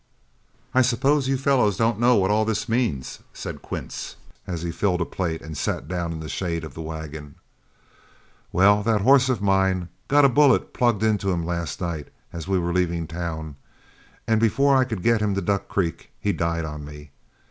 "I suppose you fellows don't know what all this means," said Quince, as he filled a plate and sat down in the shade of the wagon. "Well, that horse of mine got a bullet plugged into him last night as we were leaving town, and before I could get him to Duck Creek, he died on me.